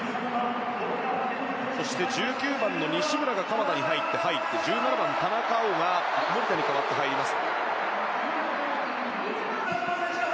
そして１９番の西村が鎌田に代わって入って１７番、田中碧が守田に入って代わります。